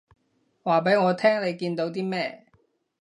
話畀我聽你見到啲咩